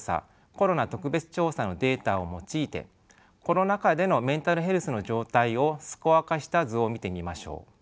・コロナ特別調査のデータを用いてコロナ禍でのメンタルヘルスの状態をスコア化した図を見てみましょう。